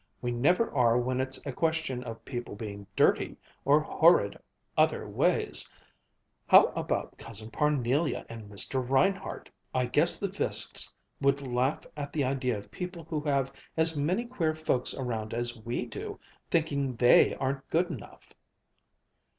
We never are when it's a question of people being dirty, or horrid, other ways! How about Cousin Parnelia and Mr. Reinhardt? I guess the Fiskes would laugh at the idea of people who have as many queer folks around as we do, thinking they aren't good enough."